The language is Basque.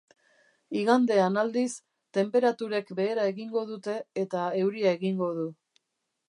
Igandean, aldiz, tenperaturek behera egingo dute eta euria egingo du.